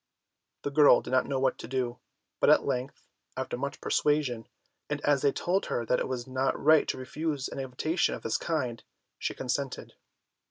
The girl did not know what to do, but at length, after much persuasion, and as they told her that it was not right to refuse an invitation of this kind, she consented.